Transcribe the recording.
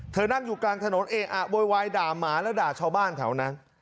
นั่งอยู่กลางถนนเออะโวยวายด่าหมาแล้วด่าชาวบ้านแถวนั้น